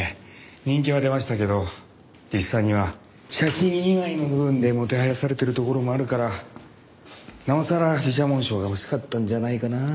人気は出ましたけど実際には写真以外の部分でもてはやされてるところもあるからなおさら美写紋賞が欲しかったんじゃないかなあ。